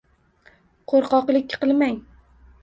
Qo‘rqoqlik qilmang...